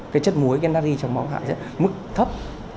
cái chất muối cái nari trong máu hạ rất là mức thấp